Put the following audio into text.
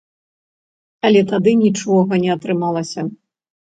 Але тады нічога не атрымалася.